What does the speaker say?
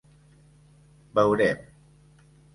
Veurem.